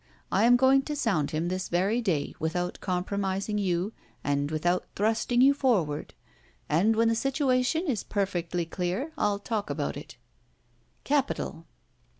I am going to sound him this very day without compromising you and without thrusting you forward; and when the situation is perfectly clear, I'll talk about it." "Capital!"